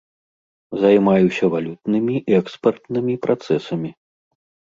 Займаюся валютнымі, экспартнымі працэсамі.